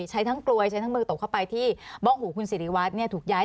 ใช้ทั้งกลวยใช้ทั้งมือตกเข้าไปที่บ้องหูคุณสิริวัตรเนี่ยถูกย้าย